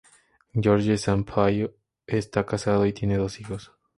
Jorge Sampaio está casado y tiene dos hijos.